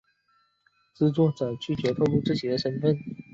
制作者拒绝透露自己的身份。